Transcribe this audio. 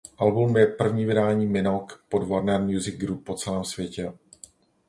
Album je první vydání Minogue pod Warner Music Group po celém světě.